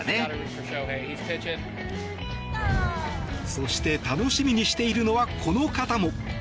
そして楽しみにしているのはこの方も。